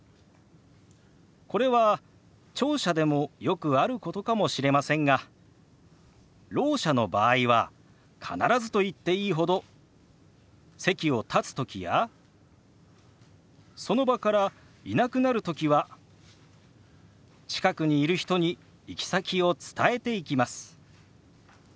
これは聴者でもよくあることかもしれませんがろう者の場合は必ずと言っていいほど席を立つときやその場からいなくなるときは近くにいる人に行き先を伝えていきます。